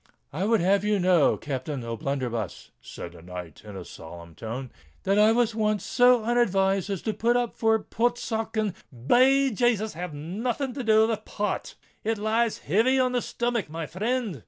"I would have you know, Captain O'Blunderbuss," said the knight, in a solemn tone, "that I was once so unadvised as to put up for Portsoken——" Be Jasus! have nothing to do with Port—it lies heavy on the stomach, my frind!"